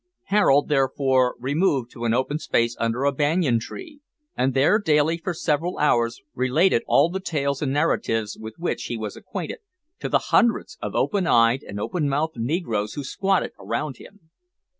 Harold, therefore, removed to an open space under a banyan tree, and there daily, for several hours, related all the tales and narratives with which he was acquainted, to the hundreds of open eyed and open mouthed negroes who squatted around him.